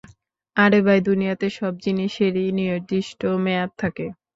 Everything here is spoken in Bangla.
আরে ভাই, দুনিয়াতে সব জিনিসেরই নির্দিষ্ট মেয়াদ থাকে।